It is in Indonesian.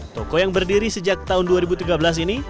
toko yang berdiri sejak tahun dua ribu tiga belas ini